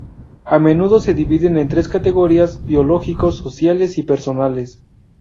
A menudo se dividen en tres categorías: biológicos, sociales y personales.